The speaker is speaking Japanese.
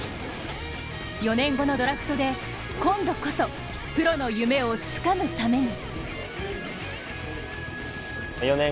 ４年後のドラフトで今度こそプロの夢をつかむために。